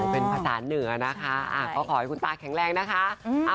เป็นภาษาเหนือนะคะก็ขอให้คุณตาแข็งแรงนะคะ